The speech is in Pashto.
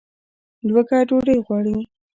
لوږه ډوډۍ غواړي